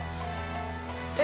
え？